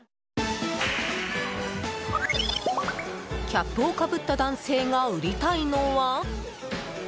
キャップをかぶった男性が売りたいのは？